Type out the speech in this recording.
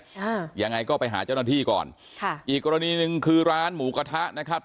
อ่ายังไงก็ไปหาเจ้าหน้าที่ก่อนค่ะอีกกรณีหนึ่งคือร้านหมูกระทะนะครับ